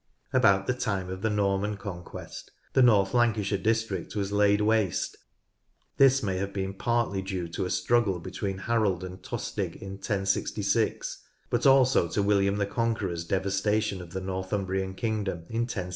About the time of the Norman conquest the North Lancashire district was laid waste. This may have been partly due to a struggle between Harold and Tostig in 1066, but also to William the Conqueror's devastation of the Northumbrian kingdom in 1069.